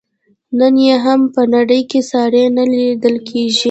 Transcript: نن یې هم په نړۍ کې ساری نه لیدل کیږي.